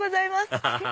アハハハ